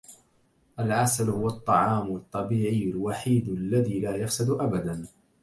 العسل هو الطعام الطبيعي الوحيد الذي لايفسد أبداً.